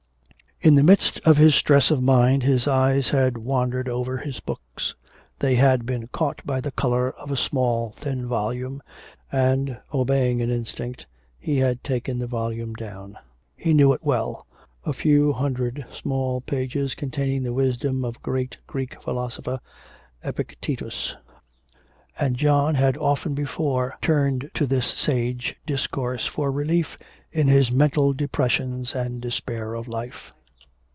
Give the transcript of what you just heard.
In the midst of his stress of mind his eyes had wandered over his books; they had been caught by the colour of a small thin volume, and, obeying an instinct, he had taken the volume down. He knew it well; a few hundred small pages containing the wisdom of a great Greek philosopher, Epictetus, and John had often before turned to this sage discourse for relief in his mental depressions and despair of life.